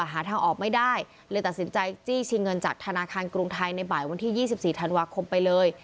หาทางออกไม่ได้เลยตัดสินใจจี้ชิงเงินจากธนาคารกรุงไทยในบ่ายวันที่๒๔ธันวาคมไปเลย